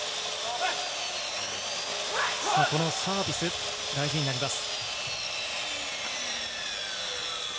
このサービス、大事になります。